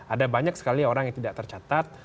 ada banyak sekali orang yang tidak tercatat